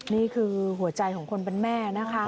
นี่คือหัวใจของคนเป็นแม่นะคะ